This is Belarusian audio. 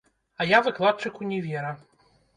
А я выкладчык універа.